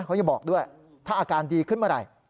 เขายังบอกด้วยถ้าอาการดีขึ้นเมื่อไหร่